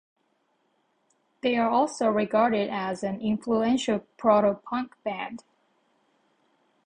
They are also regarded as an influential proto-punk band.